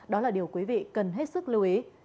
đó là điều quý vị cần hết sức lưu ý